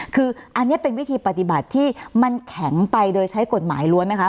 คืออันนี้เป็นวิธีปฏิบัติที่มันแข็งไปโดยใช้กฎหมายล้วนไหมคะ